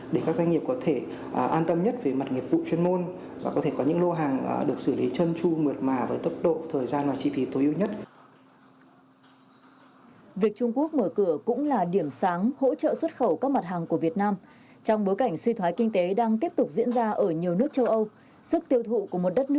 để các doanh nghiệp có thể an tâm nhất về mặt nghiệp vụ chuyên môn và có thể có những lô hàng được xử lý chân tru mượt mà tốc độ thời gian và chi phí tối ưu nhất